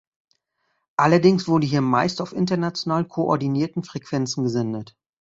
Allerdings wurde hier meist auf international koordinierten Frequenzen gesendet.